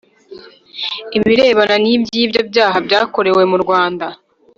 Ibirebana n’ iby ibyo byaha byakorewe mu Rwanda